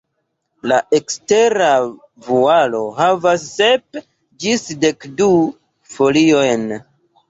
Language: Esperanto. La ekstera vualo havas sep ĝis dekdu foliojn.